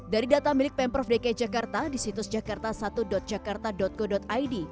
dari data milik pemprov dki jakarta di situs jakarta satu jakarta go id